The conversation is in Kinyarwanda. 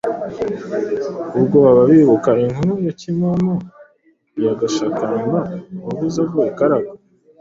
Ubwo baba bibuka inkuru ya Kimomo cya Gashakamba yavuze avuye i Karagwe